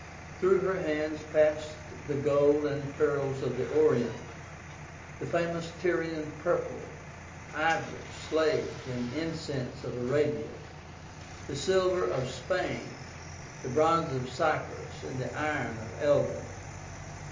Through her hands passed the gold and pearls of the Orient; the famous Tyrian purple; ivory, slaves, and incense of Arabia; the silver of Spain; the bronze of Cyprus; and the iron of Elba.